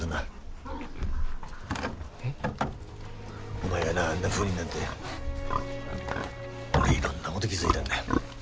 お前がなあんなふうになって俺いろんなごど気付いだんだよ。